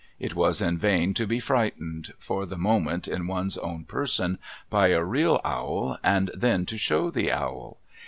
It was in vain to be frightened, for the moment in one's own person, by a real owl, and then to show the owl.